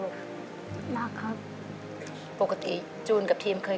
กอดใหญ่หนูวัลบ่อย